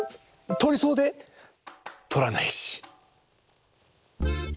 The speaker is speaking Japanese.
とりそうでとらないし。